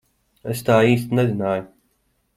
Es tā īsti nezināju.